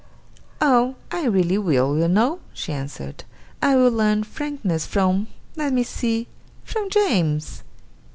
'Oh! I really will, you know!' she answered. 'I will learn frankness from let me see from James.